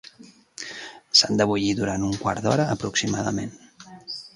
S'han de bullir durant un quart d'hora aproximadament.